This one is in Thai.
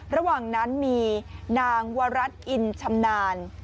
ระหว่างนั้นมีนางวรัฐอินชำนาญ